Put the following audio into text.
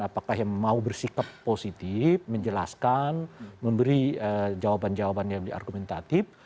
apakah yang mau bersikap positif menjelaskan memberi jawaban jawaban yang diargumentatif